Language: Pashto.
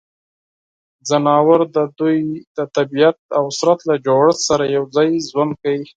ځناور د دوی د طبعیت او بدن له جوړښت سره یوځای ژوند کوي.